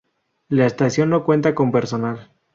La estación no cuenta con personal.